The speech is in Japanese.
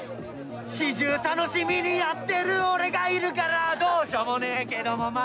始終楽しみにやってる俺がいるからどうしようもねえけどもまあ。